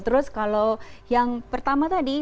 terus kalau yang pertama tadi